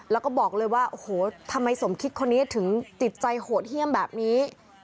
แล้วก็บอกเลยว่าโอ้โหทำไมสมคิดคนนี้ถึงจิตใจโหดเยี่ยมแบบนี้